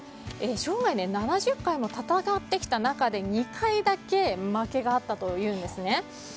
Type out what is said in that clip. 生涯、７０回も戦ってきた中で２回だけ負けがあったというんですね。